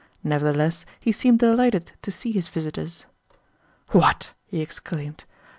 Nevertheless he seemed delighted to see his visitors. "What?" he exclaimed.